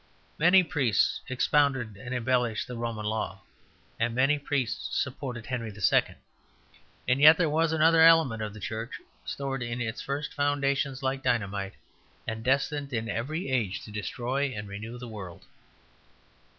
Many priests expounded and embellished the Roman Law, and many priests supported Henry II. And yet there was another element in the Church, stored in its first foundations like dynamite, and destined in every age to destroy and renew the world.